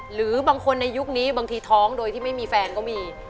หรือบางคนในยุคนี้บางทีท้องโดยที่ไม่มีแฟนก็มี